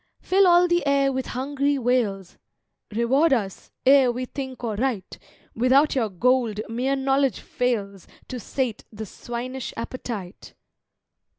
Fill all the air with hungry wails "Reward us, ere we think or write! Without your Gold mere Knowledge fails To sate the swinish appetite!"